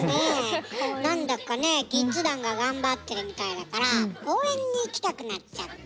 何だかねキッズ団が頑張ってるみたいだから応援に来たくなっちゃって。